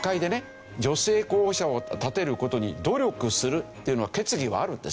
女性候補者を立てる事に努力するっていうのは決議はあるんですよ。